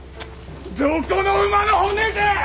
どこの馬の骨じゃ！